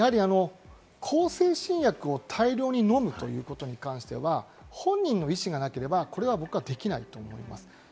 向精神薬を大量に飲むということに関しては、本人の意思がなければ、これは僕はできないと思います。